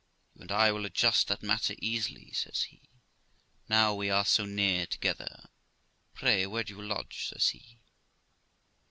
'You and I will adjust that matter easily', says he, 'now we are so near together, Pray where do you lodge?' says he.